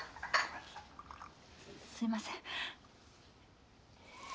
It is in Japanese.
すいません。